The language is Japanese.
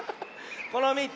この３つ。